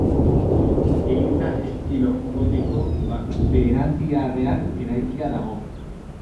Eliza estilo gotiko berantiarrean eraikia dago.